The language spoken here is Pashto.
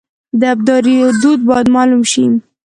د ابدارۍ حدود باید معلوم شي